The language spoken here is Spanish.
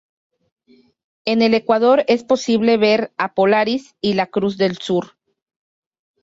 En el ecuador es posible ver a Polaris y la Cruz del Sur.